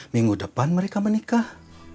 minggu depan mereka menikah